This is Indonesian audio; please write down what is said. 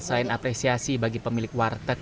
selain apresiasi bagi pemilik warteg